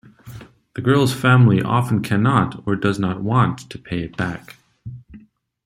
The girl's family often cannot or does not want to pay it back.